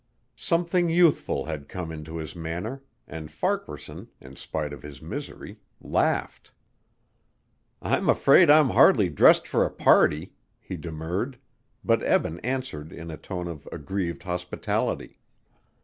Something youthful had come into his manner, and Farquaharson, in spite of his misery, laughed. "I'm afraid I'm hardly dressed for a party," he demurred, but Eben answered in a tone of aggrieved hospitality.